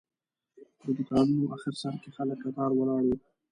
د دوکانونو آخر سر کې خلک کتار ولاړ وو.